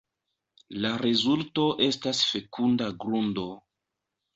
La rezulto estas fekunda grundo.